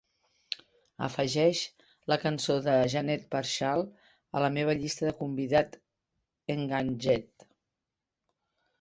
Afegeix la cançó de Janet Paschal a la meva llista de convidat Engadget.